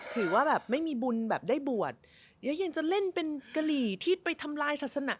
ถือว่าแบบไม่มีบุญแบบได้บวชเดี๋ยวยังจะเล่นเป็นกะหรี่ที่ไปทำลายศาสนา